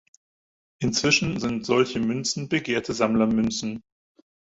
Inzwischen sind solche Münzen begehrte Sammlermünzen.